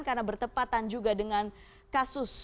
karena bertepatan juga dengan kasus